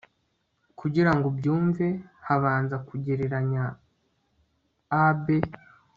kugira ngo ubyumve, habanza kugereranya (a b)